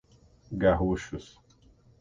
Garruchos